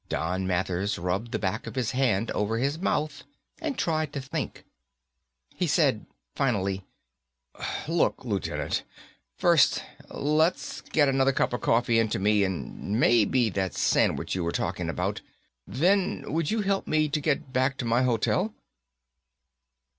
Don Mathers rubbed the back of his hand over his mouth and tried to think. He said finally, "Look, Lieutenant. First let's get another cup of coffee into me, and maybe that sandwich you were talking about. Then would you help me to get back to my hotel?"